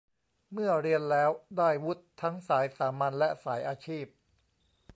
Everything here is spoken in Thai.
เมื่อเรียนแล้วได้วุฒิทั้งสายสามัญ และ สายอาชีพ